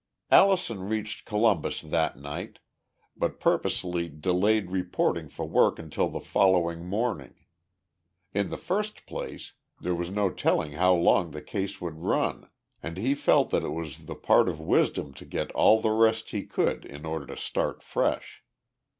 Allison reached Columbus that night, but purposely delayed reporting for work until the following morning. In the first place there was no telling how long the case would run and he felt that it was the part of wisdom to get all the rest he could in order to start fresh.